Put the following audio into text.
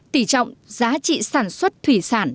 tỷ trọng giá trị sản xuất thủy sản